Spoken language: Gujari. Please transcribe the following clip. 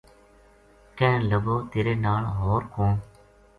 کہن لگو تیرے نال ہو ر کون